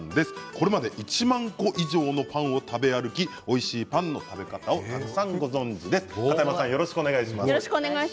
これまで１万個以上のパンを食べ歩きおいしいパンの食べ方をたくさんご存じです。